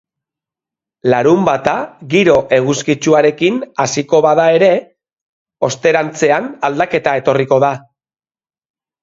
Larunbata giro eguzkitsuarekin hasiko bada ere, osterantzean aldaketa etorriko da.